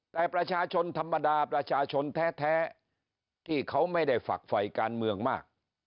แต่ประชาชนธรรมดาประชาชนแท้ที่เขาไม่ได้ฝักไฟการเมืองมาก